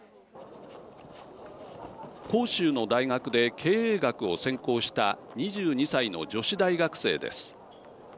広州の大学で、経営学を専攻した２２歳の女子大学生です。